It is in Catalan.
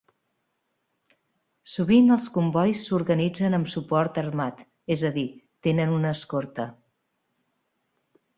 Sovint, els combois s'organitzen amb suport armat, és a dir, tenen una escorta.